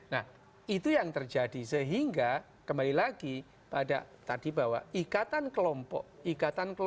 nah itu yang terjadi sehingga kembali lagi pada tadi bahwa ikatan kelompok ikatan kelompok